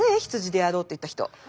羊でやろうって言った人。